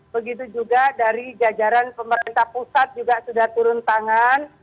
begitu juga dari jajaran pemerintah pusat juga sudah turun tangan